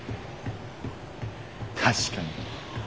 確かに。